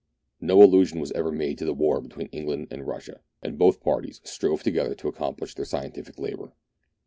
No allusion was ever made to the war between England and Russia, and both parties strove together to accomplish their scientific labour.